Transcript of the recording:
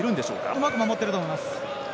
うまく守ってると思います。